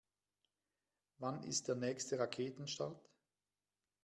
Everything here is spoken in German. Wann ist der nächste Raketenstart?